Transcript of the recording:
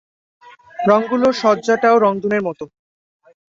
রঙগুলোর সংজ্জাটাও রংধনুর মতো।